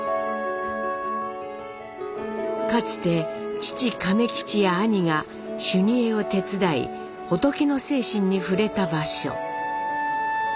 かつて父・亀吉や兄が修二会を手伝い仏の精神に触れた場所。